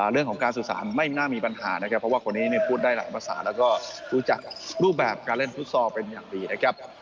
เรื่องของการสื่อสารไม่น่ามีปัญหานะครับเพราะว่าคนนี้พูดได้หลายภาษาแล้วก็รู้จักรูปแบบการเล่นฟุตซอลเป็นอย่างดีนะครับ